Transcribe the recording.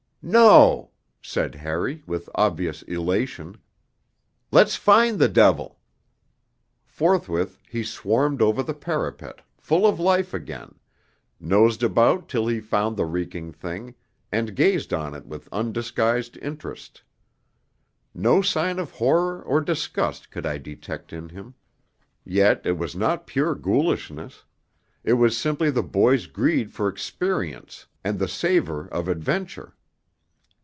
'No!' said Harry, with obvious elation. 'Let's find the devil.' Forthwith he swarmed over the parapet, full of life again, nosed about till he found the reeking thing, and gazed on it with undisguised interest. No sign of horror or disgust could I detect in him. Yet it was not pure ghoulishness; it was simply the boy's greed for experience and the savour of adventure.